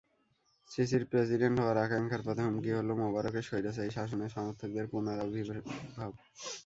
সিসির প্রেসিডেন্ট হওয়ার আকাঙ্ক্ষার পথে হুমকি হলো মোবারকের স্বৈরাচারী শাসনের সমর্থকদের পুনরাবির্ভাব।